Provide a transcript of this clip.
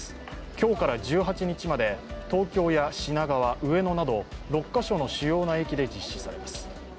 今日から１８日まで東京や品川、上野など６カ所の主要な駅で実施されます。